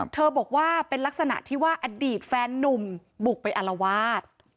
บอกว่าเป็นลักษณะที่ว่าอดีตแฟนนุ่มบุกไปอารวาส